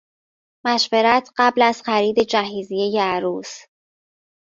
مشورت قبل از خرید جهیزیه عروس